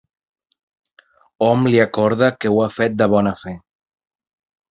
Hom li acorda que ho ha fet de bona fe.